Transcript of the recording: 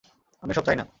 আমি এসব চাইনা।